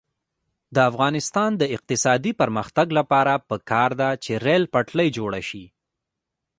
د افغانستان د اقتصادي پرمختګ لپاره پکار ده چې ریل پټلۍ جوړه شي.